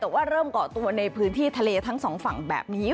แต่ว่าเริ่มเกาะตัวในพื้นที่ทะเลทั้งสองฝั่งแบบนี้